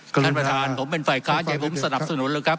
ท่านประธานผมเป็นฝ่ายค้านอย่าผมสนับสนุนเลยครับ